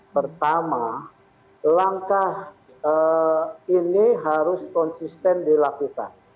pertama langkah ini harus konsisten dilakukan